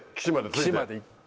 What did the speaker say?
岸まで行って。